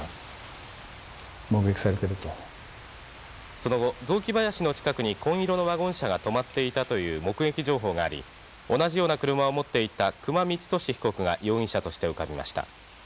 その後雑木林の近くに紺色のワゴン車が止まっていたという目撃情報があり同じような車を持っていた久間三千年被告が容疑者として浮かびました。